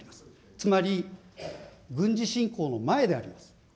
つまり軍事侵攻の前であります。